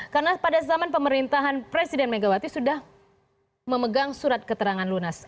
karena pada zaman pemerintahan presiden megawati sudah memegang surat keterangan lunas